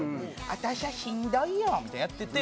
「あたしゃしんどいよ」みたいなのやってて。